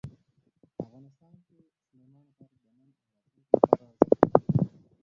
افغانستان کې سلیمان غر د نن او راتلونکي لپاره ارزښت لري.